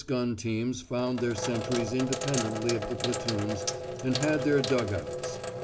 The Lewis gun teams found their sentries independently of the platoons, and had their dug outs.